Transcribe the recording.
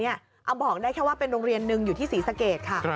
เอาบอกได้แค่ว่าเป็นโรงเรียนหนึ่งอยู่ที่ศรีสะเกดค่ะ